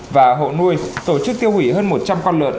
và hộ nuôi tổ chức tiêu hủy hơn một trăm linh con lợn